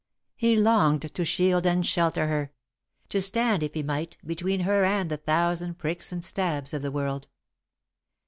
He longed to shield and shelter her; to stand, if he might, between her and the thousand pricks and stabs of the world.